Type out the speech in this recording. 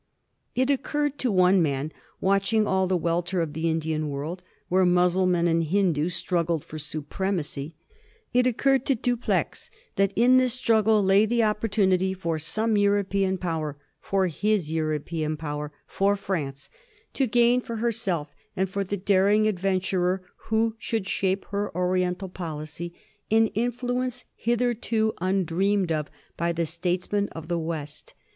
It occurred to one man, watching all the welter of the Indian world, where Mussulman and Hindoo struggled for supremacy — it oc curred to Dupleix that in this struggle lay the opportunity for some European power — for his European power — ^for France — ^to gain for herself, and for the daring adventurer who should shape her Oriental policy, an influence hither to undreamed of by the statesmen of the West.